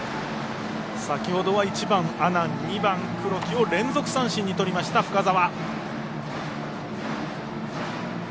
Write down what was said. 先ほどは１番、阿南２番黒木を連続三振にとりました深沢。